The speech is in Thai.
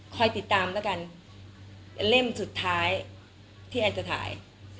ติดตามแล้วกันเล่มสุดท้ายที่แอนจะถ่าย